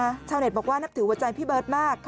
ชาวเน็ตบอกว่านับถือหัวใจพี่เบิร์ตมาก